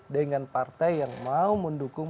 dengan partai yang mau mendukung